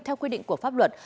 theo quy định của pháp luật